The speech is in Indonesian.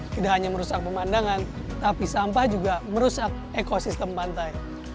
tidak hanya merusak pemandangan tapi sampah juga merusak ekosistem pantai